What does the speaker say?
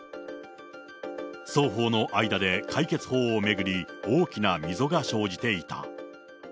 双方の間で解決法を巡り、大きな溝が生じていた。